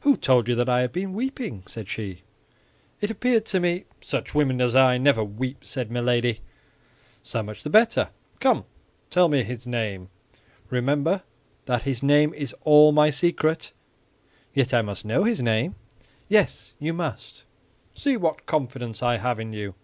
"Who told you that I had been weeping?" said she. "It appeared to me—" "Such women as I never weep," said Milady. "So much the better! Come, tell me his name!" "Remember that his name is all my secret." "Yet I must know his name." "Yes, you must; see what confidence I have in you!"